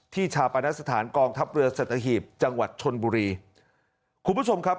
ชาปนสถานกองทัพเรือสัตหีบจังหวัดชนบุรีคุณผู้ชมครับ